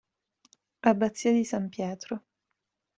Abbazia di San Pietro